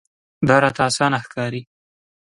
دا راته اسانه ښکاري.